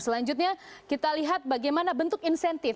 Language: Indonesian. selanjutnya kita lihat bagaimana bentuk insentif